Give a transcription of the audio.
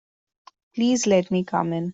Please let me come in.